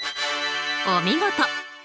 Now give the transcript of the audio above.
お見事！